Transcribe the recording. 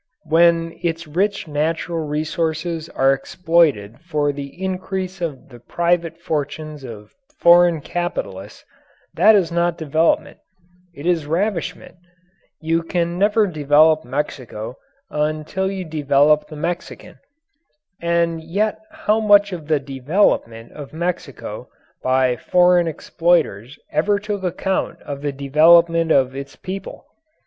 When its rich natural resources are exploited for the increase of the private fortunes of foreign capitalists, that is not development, it is ravishment. You can never develop Mexico until you develop the Mexican. And yet how much of the "development" of Mexico by foreign exploiters ever took account of the development of its people?